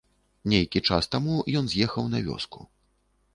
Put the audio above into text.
Нейкі час таму ён з'ехаў на вёску.